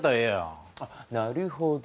あっなるほど。